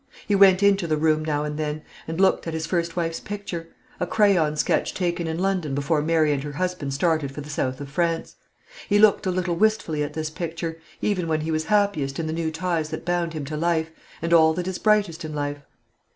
He went into the room now and then, and looked at his first wife's picture a crayon sketch taken in London before Mary and her husband started for the South of France. He looked a little wistfully at this picture, even when he was happiest in the new ties that bound him to life, and all that is brightest in life.